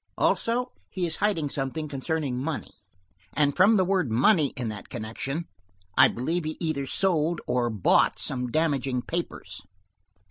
Also, he is hiding something concerning letters, and from the word 'money' in that connection, I believe he either sold or bought some damaging papers.